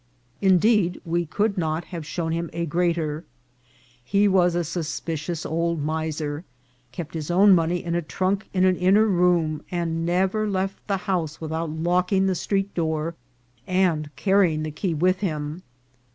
Indeed, we could not have shown him a greater. He was a suspicious old miser, kept his own money in a trunk in an inner room, and never left the house with out locking the street door and carrying the key with him.